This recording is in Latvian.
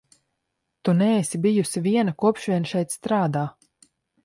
Tu neesi bijusi viena, kopš vien šeit strādā.